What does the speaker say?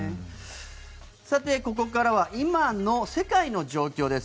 さてここからは今の世界の状況です。